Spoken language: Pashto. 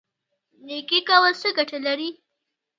نیکي کول څه ګټه لري؟